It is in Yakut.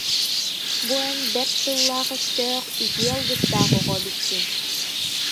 Бу эн бэрт тыллаах-өстөөх, үтүө алгыстаах оҕо эбиккин